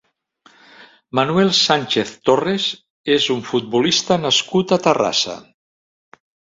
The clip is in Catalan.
Manuel Sánchez Torres és un futbolista nascut a Terrassa.